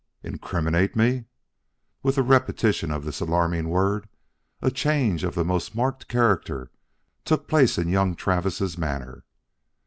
"Incriminate me!" With the repetition of this alarming word, a change of the most marked character took place in young Travis' manner.